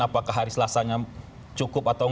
apakah hari selasanya cukup atau